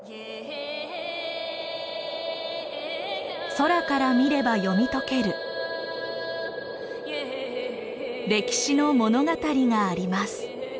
空から見れば読み解ける歴史の物語があります。